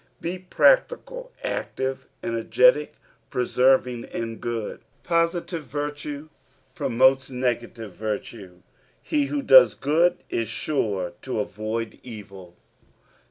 Be practical, active, energetic, persevering in good. Positive virtue promotes negative virtue ; he who does good is sure to avoid evil.